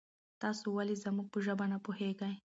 تاسو ولې زمونږ په ژبه نه پوهیږي؟